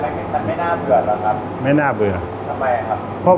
สวัสดีครับผมชื่อสามารถชานุบาลชื่อเล่นว่าขิงถ่ายหนังสุ่นแห่ง